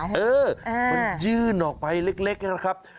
เออมันยื่นออกไปเล็กนะครับ